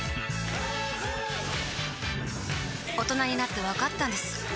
大人になってわかったんです